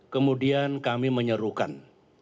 kemudian kami menyerukan